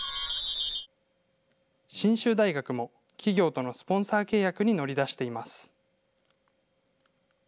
信州大学も、企業とのスポンサー契約に乗り出しています。